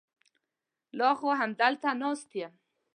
لا خو همدلته ناست یم.